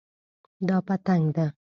دا پتنګ ده